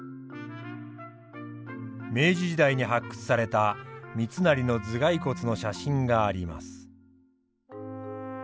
明治時代に発掘された三成の頭蓋骨の写真があります。